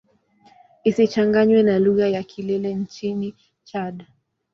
Isichanganywe na lugha ya Kilele nchini Chad.